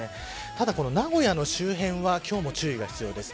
ただ名古屋の周辺は今日も注意が必要です。